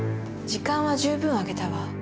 時間は十分あげたわ。